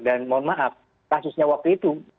dan mohon maaf kasusnya waktu itu